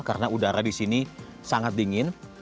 karena udara di sini sangat dingin